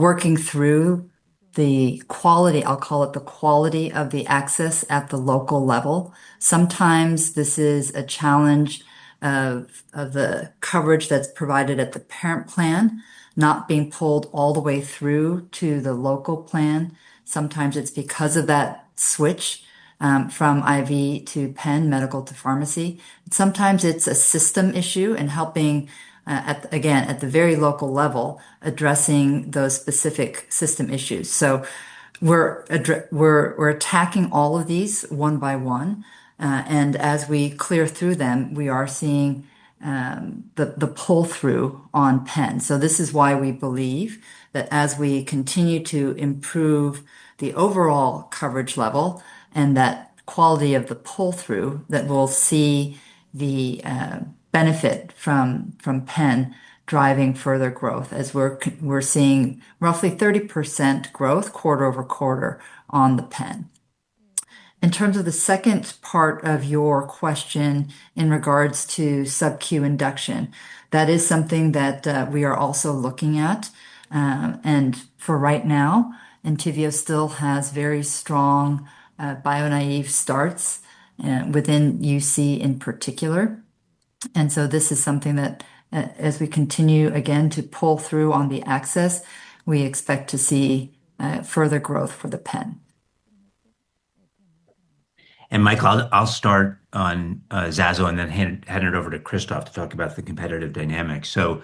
Speaker 9: working through the quality, I'll call it the quality of the access at the local level. Sometimes this is a challenge of the coverage that's provided at the parent plan not being pulled all the way through to the local plan. Sometimes it's because of that switch from IV to pen, medical to pharmacy. Sometimes it's a system issue in helping, again, at the very local level, addressing those specific system issues. We're attacking all of these one by one. As we clear through them, we are seeing the pull-through on pen. This is why we believe that as we continue to improve the overall coverage level and that quality of the pull-through, we'll see the benefit from pen driving further growth, as we're seeing roughly 30% growth quarter over quarter on the pen. In terms of the second part of your question in regards to sub-Q induction, that is something that we are also looking at. For right now, Entyvio still has very strong bionative starts within UC in particular. As we continue again to pull through on the access, we expect to see further growth for the pen.
Speaker 6: Michael, I'll start on Zazositinib and then hand it over to Christophe to talk about the competitive dynamics. So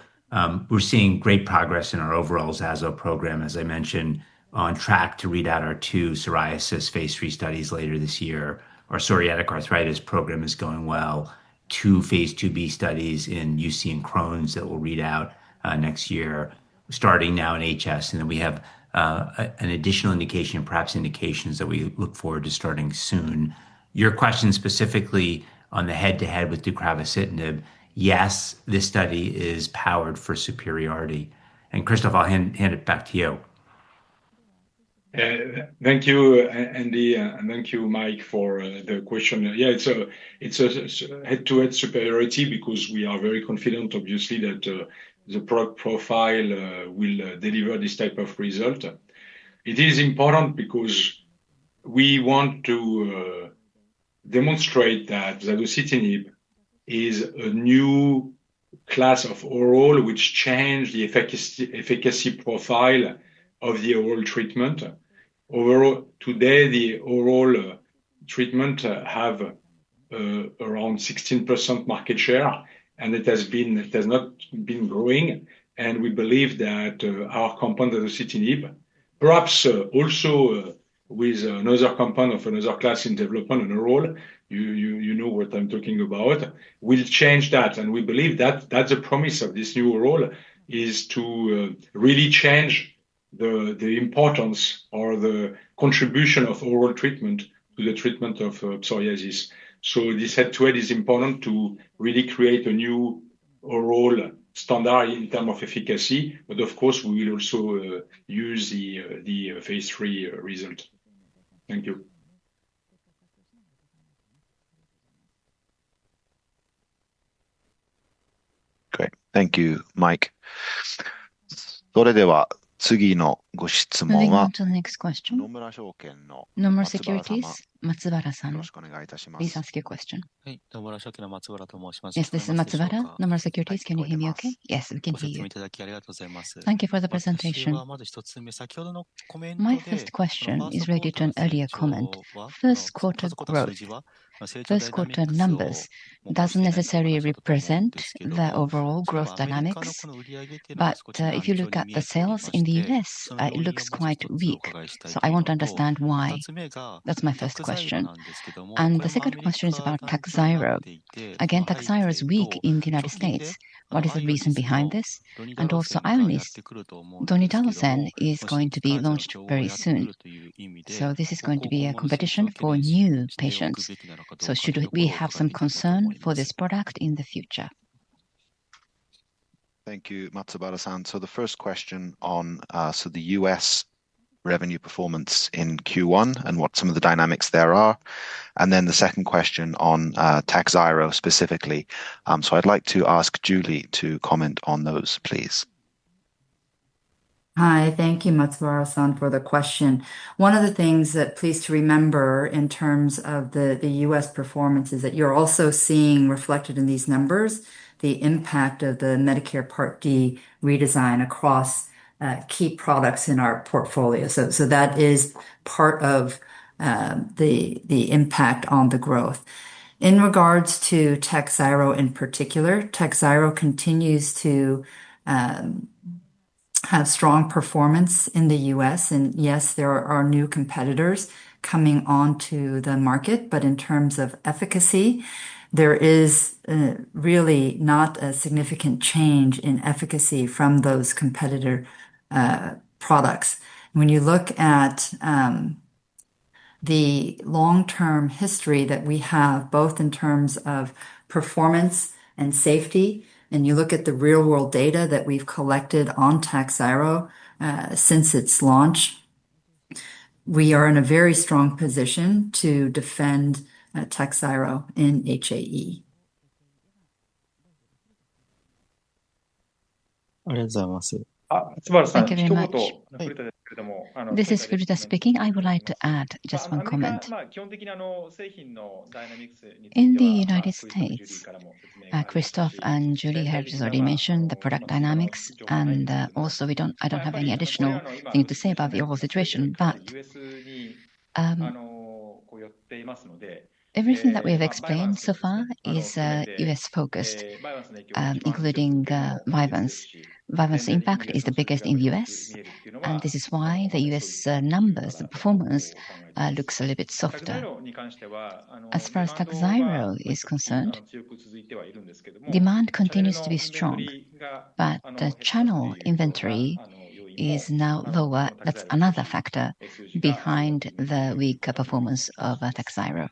Speaker 6: we're seeing great progress in our overall Zazositinib program, as I mentioned, on track to read out our two psoriasis phase three studies later this year. Our psoriatic arthritis program is going well. Two phase 2b studies in UC and Crohn's that will read out next year, starting now in HS. And then we have an additional indication, perhaps indications that we look forward to starting soon. Your question specifically on the head-to-head with Ducravacitinib, yes, this study is powered for superiority. And Christophe, I'll hand it back to you.
Speaker 4: Thank you, Andy, and thank you, Mike, for the question. Yeah, it's a head-to-head superiority because we are very confident, obviously, that the product profile will deliver this type of result. It is important because we want to demonstrate that Zazositinib is a new class of oral which changed the efficacy profile of the oral treatment. Overall, today, the oral treatment has around 16% market share, and it has not been growing. We believe that our compound, Zazositinib, perhaps also with another compound of another class in development in oral, you know what I'm talking about, will change that. We believe that that's the promise of this new oral, is to really change the importance or the contribution of oral treatment to the treatment of psoriasis. This head-to-head is important to really create a new oral standard in terms of efficacy. Of course, we will also use the phase three result.
Speaker 11: Thank you.
Speaker 2: Great. Thank you, Mike.
Speaker 3: それでは次のご質問は。
Speaker 1: Moving on to the next question.
Speaker 3: 野村証券の。野村セキュリティーズ、松原さん。よろしくお願いいたします。
Speaker 1: Please ask your question.
Speaker 3: はい、野村証券の松原と申します。
Speaker 12: Yes, this is Matsubara. 野村セキュリティーズ, can you hear me okay?
Speaker 1: Yes, we can hear you. お集まりいただきありがとうございます。
Speaker 12: Thank you for the presentation. 最初はまず一つ目、先ほどのコメント。My first question is related to an earlier comment. First quarter growth. First quarter numbers doesn't necessarily represent the overall growth dynamics. If you look at the sales in the U.S., it looks quite weak. I want to understand why. That's my first question. The second question is about Takhzyro. Again, Takhzyro is weak in the United States. What is the reason behind this? Also, Ionis, donidalorsen is going to be launched very soon. This is going to be a competition for new patients. Should we have some concern for this product in the future?
Speaker 2: Thank you, Matsubara-san. The first question on the U.S. revenue performance in Q1 and what some of the dynamics there are. Then the second question on Takhzyro specifically. I'd like to ask Julie to comment on those, please.
Speaker 9: Hi, thank you, Matsubara-san, for the question. One of the things to please remember in terms of the US performance is that you're also seeing reflected in these numbers the impact of the Medicare Part D redesign across key products in our portfolio. That is part of the impact on the growth. In regards to Takhzyro in particular, Takhzyro continues to have strong performance in the US. Yes, there are new competitors coming onto the market. In terms of efficacy, there is really not a significant change in efficacy from those competitor products. When you look at the long-term history that we have, both in terms of performance and safety, and you look at the real-world data that we've collected on Takhzyro since its launch, we are in a very strong position to defend Takhzyro in HAE. ありがとうございます。松原さん、一言。ですけれども。This is Furuta speaking. I would like to add just one comment. 基本的に製品のダイナミクスについて。In the United States, Christophe and Julie have just already mentioned the product dynamics. I don't have any additional thing to say about the overall situation. Everything that we have explained so far is US-focused, including Vyvanse. Vyvanse's impact is the biggest in the US, and this is why the US numbers, the performance, looks a little bit softer. As far as Takhzyro is concerned, demand continues to be strong, but the channel inventory is now lower. That's another factor behind the weak performance of Takhzyro.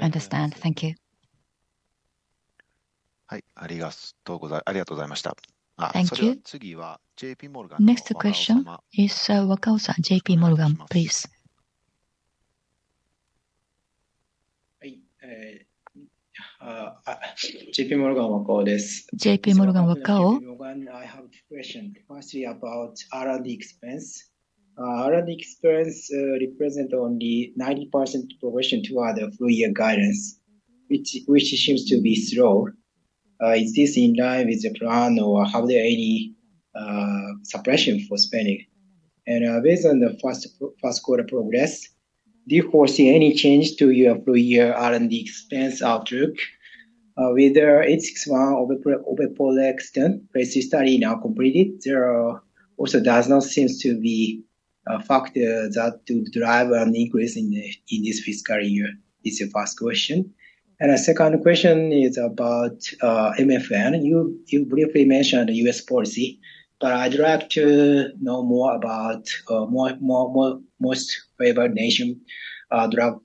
Speaker 12: Understood. Thank you.
Speaker 1: はい、ありがとうございました。Thank you. 次はJPモルガンです。Next question is Wakao-san. J.P. Morgan, please.
Speaker 3: はい。JPモルガン、Wakaoです。J.P. Morgan, Wakao.
Speaker 13: I have a question about R&D expense. R&D expense represents only 90% progression to the full-year guidance, which seems to be slow. Is this in line with the plan, or have there been any suppression for spending? Based on the first quarter progress, do you foresee any change to your full-year R&D expense outlook? Whether TAK-861 overall extent, phase three study now completed, there also does not seem to be a factor that will drive an increase in this fiscal year. This is your first question. The second question is about MFN. You briefly mentioned the US policy, but I'd like to know more about most favored nation drug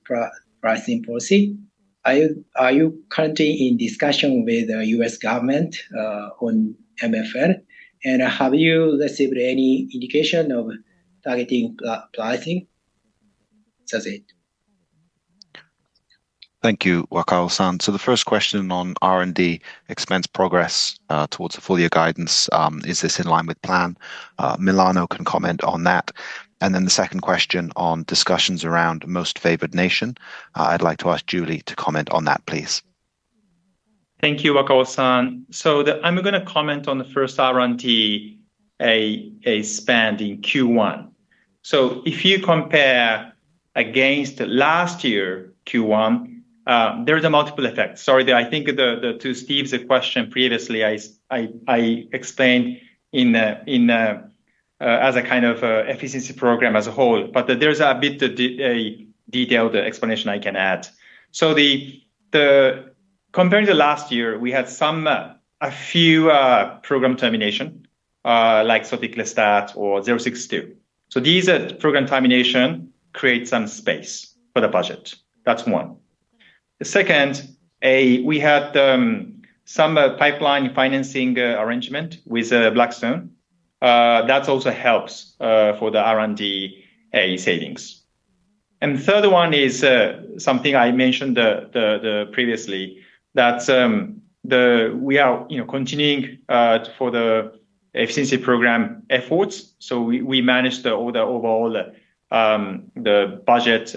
Speaker 13: pricing policy. Are you currently in discussion with the US government on MFN? Have you received any indication of targeting pricing? That's it.
Speaker 2: Thank you, Wakao-san. The first question on R&D expense progress towards the full-year guidance, is this in line with plan? Milano can comment on that. The second question on discussions around most favored nation. I'd like to ask Julie to comment on that, please.
Speaker 5: Thank you, Wakao-san. I'm going to comment on the first R&D. Spend in Q1. If you compare against last year's Q1, there are multiple effects. Sorry, I think to Steve's question previously, I explained as a kind of efficiency program as a whole, but there's a bit detailed explanation I can add. Comparing to last year, we had a few program terminations, like Sotheby's Lestat or 062. These program terminations create some space for the budget. That's one. The second, we had some pipeline financing arrangement with Blackstone. That also helps for the R&D savings. The third one is something I mentioned previously, that we are continuing for the efficiency program efforts. We managed the overall budget.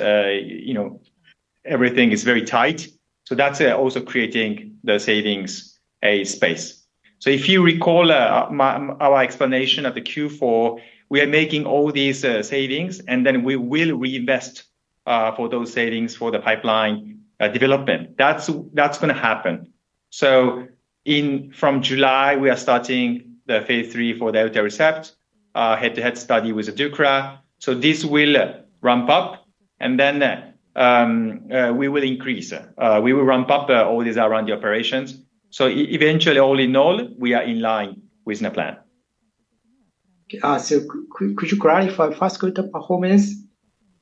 Speaker 5: Everything is very tight. That's also creating the savings space. If you recall our explanation at the Q4, we are making all these savings, and then we will reinvest those savings for the pipeline development. That's going to happen. From July, we are starting the phase three for the Delta Recept, head-to-head study with Dukra. This will ramp up, and then we will increase. We will ramp up all these R&D operations. Eventually, all in all, we are in line with the plan.
Speaker 13: Could you clarify first quarter performance?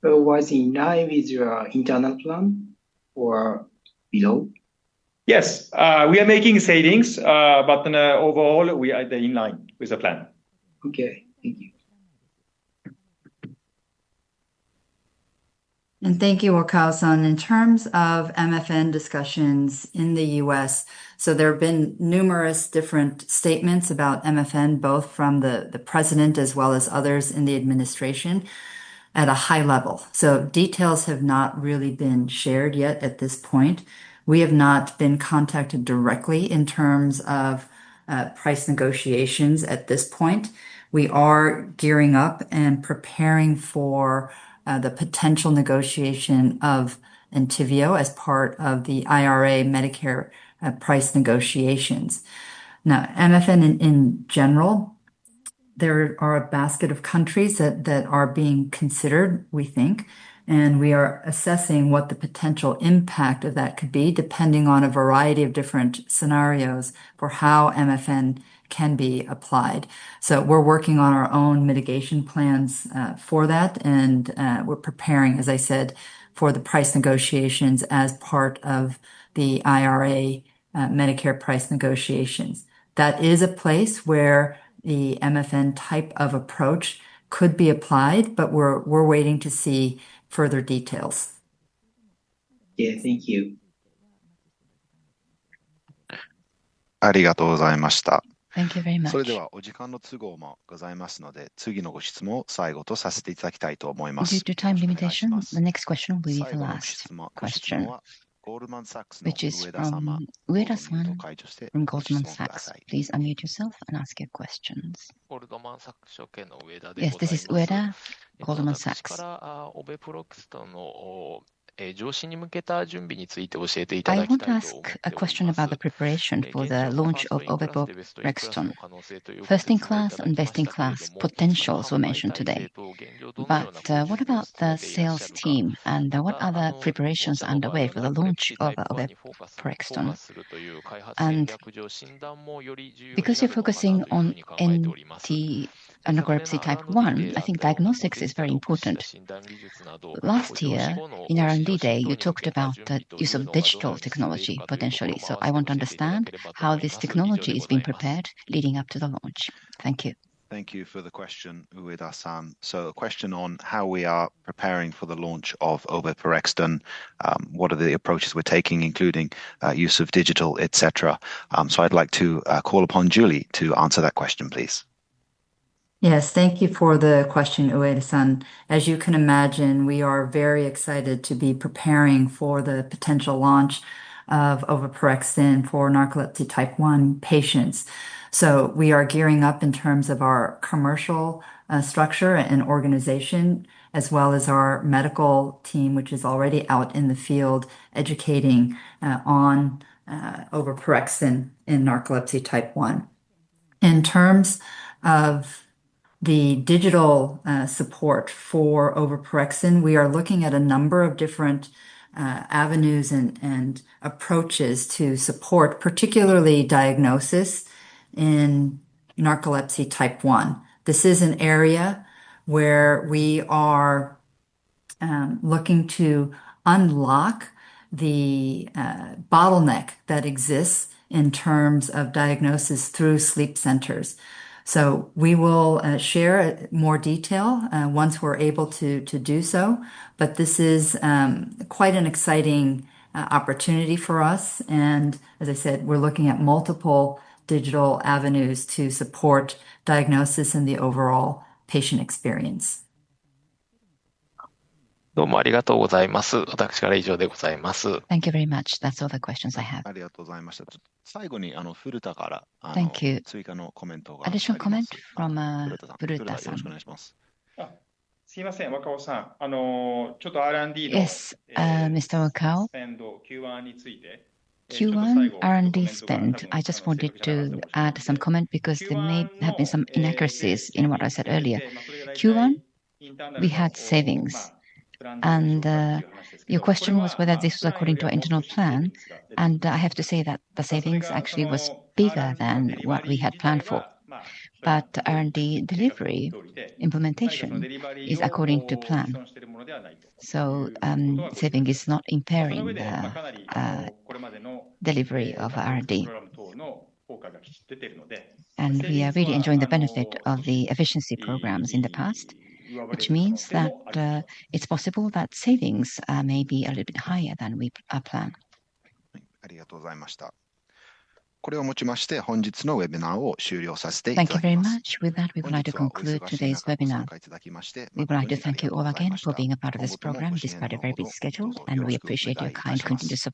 Speaker 13: Was in line with your internal plan or below?
Speaker 5: Yes, we are making savings, but overall, we are in line with the plan.
Speaker 13: Okay, thank you.
Speaker 9: Thank you, Wakao-san. In terms of MFN discussions in the U.S., there have been numerous different statements about MFN, both from the president as well as others in the administration at a high level. Details have not really been shared yet at this point. We have not been contacted directly in terms of price negotiations at this point. We are gearing up and preparing for the potential negotiation of Entyvio as part of the IRA Medicare price negotiations. Now, MFN in general, there are a basket of countries that are being considered, we think. We are assessing what the potential impact of that could be, depending on a variety of different scenarios for how MFN can be applied. We're working on our own mitigation plans for that. We're preparing, as I said, for the price negotiations as part of the IRA Medicare price negotiations. That is a place where the MFN type of approach could be applied, but we're waiting to see further details.
Speaker 13: Yeah, thank you.
Speaker 3: ありがとうございました。
Speaker 1: Thank you very much.
Speaker 3: それでは、お時間の都合もございますので、次のご質問を最後とさせていただきたいと思います。
Speaker 1: Due to time limitations, the next question will be the last question.
Speaker 3: ご質問は、ゴールドマンサックスの上田さん。
Speaker 1: Please unmute yourself and ask your questions. ゴールドマンサックス初見の上田でございます。
Speaker 14: Yes, this is Ueda Goldman Sachs.
Speaker 3: こちらからオベプロックスの。上市に向けた準備について教えていただきたいと思います。
Speaker 14: I want to ask a question about the preparation for the launch of Oveporexton. First-in-class and best-in-class potentials were mentioned today. What about the sales team? What other preparations are underway for the launch of Oveporexton? Because you're focusing on NT1, I think diagnostics is very important. Last year, in our R&D day, you talked about the use of digital technology potentially. I want to understand how this technology is being prepared leading up to the launch. Thank you.
Speaker 2: Thank you for the question, Ueda-san.
Speaker 6: A question on how we are preparing for the launch of Oveporexton. What are the approaches we're taking, including use of digital, etc.? I'd like to call upon Julie to answer that question, please.
Speaker 9: Yes, thank you for the question, Ueda-san. As you can imagine, we are very excited to be preparing for the potential launch of Oveporexton for narcolepsy type 1 patients. We are gearing up in terms of our commercial structure and organization, as well as our medical team, which is already out in the field educating on Oveporexton in narcolepsy type 1. In terms of the digital support for Oveporexton, we are looking at a number of different avenues and approaches to support, particularly diagnosis in narcolepsy type 1. This is an area where we are looking to unlock the bottleneck that exists in terms of diagnosis through sleep centers. We will share more detail once we're able to do so. This is quite an exciting opportunity for us. As I said, we're looking at multiple digital avenues to support diagnosis and the overall patient experience. どうもありがとうございます。私から以上でございます。
Speaker 1: Thank you very much. That's all the questions I have. ありがとうございました。最後にフルタから。Thank you. 追加のコメントがありますか。Additional comment from Furuta-san? よろしくお願いします。すいません、Wakao-san。ちょっとR&Dの。
Speaker 9: Yes, Mr. Wakao. Q1 R&D spend, I just wanted to add some comment because there may have been some inaccuracies in what I said earlier. Q1, we had savings. Your question was whether this was according to our internal plan. I have to say that the savings actually were bigger than what we had planned for. R&D delivery implementation is according to plan. Saving is not impairing delivery of R&D. We are really enjoying the benefit of the efficiency programs in the past, which means that it is possible that savings may be a little bit higher than we planned. ありがとうございました。これをもちまして、本日のウェビナーを終了させていただきます。
Speaker 1: Thank you very much. With that, we would like to conclude today's webinar. We would like to thank you all again for being a part of this program despite a very busy schedule. We appreciate your kind continued support.